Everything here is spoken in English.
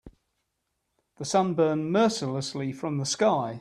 The sun burned mercilessly from the sky.